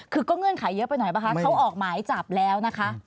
คือก็เงื่อนไขเยอะไปหน่อยป่ะคะเขาออกหมายจับแล้วนะคะ